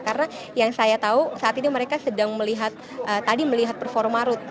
karena yang saya tahu saat ini mereka sedang melihat tadi melihat performa ruth